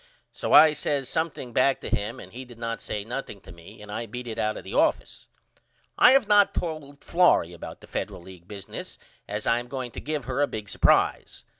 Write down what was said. So I says something back to him and he did not say nothing to me and I beat it out of the office. I have not told Florrie about the Federal League business yet as I am going to give her a big supprise.